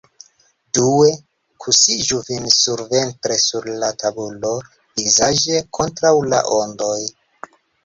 Due: kuŝigu vin surventre sur la tabulon, vizaĝe kontraŭ la ondoj.